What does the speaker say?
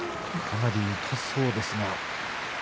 かなり痛そうですが。